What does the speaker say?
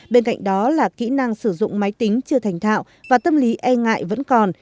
bên cạnh đó là kỹ năng sử dụng máy tính chưa thành thạo và tâm lý e ngại vẫn còn